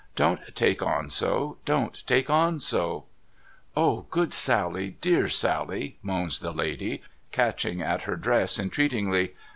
Don't take on so, don't take on so !'' O good Sally, dear Sally,' moans the lady, catching at her dress entreatingly.